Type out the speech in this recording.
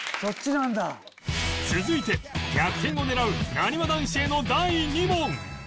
続いて逆転を狙うなにわ男子への第２問